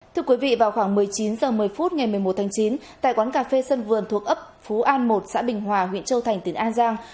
thưa quý vị vào khoảng một mươi chín h một mươi phút ngày một mươi một tháng chín tại quán cà phê sân vườn thuộc ấp phú an một xã bình hòa huyện châu thành tỉnh an giang